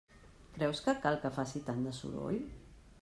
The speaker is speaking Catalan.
Creus que cal que faci tant de soroll?